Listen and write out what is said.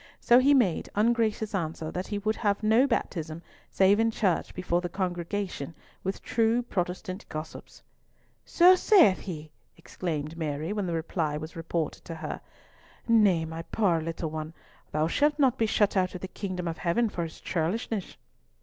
So he made ungracious answer that he would have no baptism save in church before the congregation, with true Protestant gossips. "So saith he?" exclaimed Mary, when the reply was reported to her. "Nay, my poor little one, thou shalt not be shut out of the Kingdom of Heaven for his churlishness."